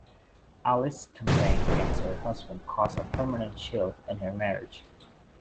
Alice's campaign against her husband caused a permanent chill in her marriage.